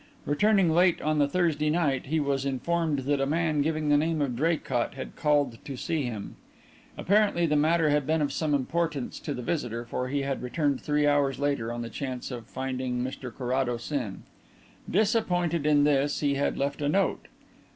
Returning late on the Thursday night, he was informed that a man giving the name of Draycott had called to see him. Apparently the matter had been of some importance to the visitor for he had returned three hours later on the chance of finding Mr Carrados in. Disappointed in this, he had left a note.